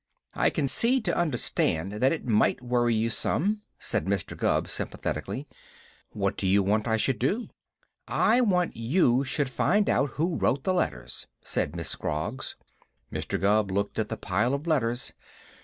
"I can see to understand that it might worry you some," said Mr. Gubb sympathetically. "What do you want I should do?" "I want you should find out who wrote the letters," said Miss Scroggs. Mr. Gubb looked at the pile of letters.